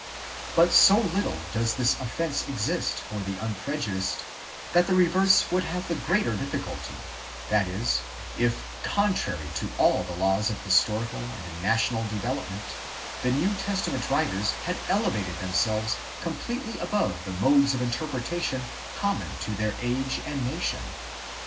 But so little does this offence exist for the unprejudiced, that the reverse would be the greater difficulty, that is, if, contrary to all the laws of historical and national development, the New Testament writers had elevated themselves completely above the modes of interpretation common to their age and nation.